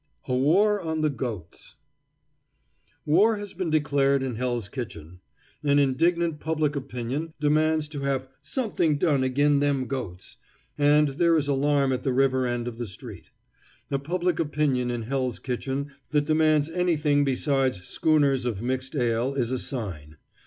A WAR ON THE GOATS War has been declared in Hell's Kitchen. An indignant public opinion demands to have "something done ag'in' them goats," and there is alarm at the river end of the street. A public opinion in Hell's Kitchen that demands anything besides schooners of mixed ale is a sign.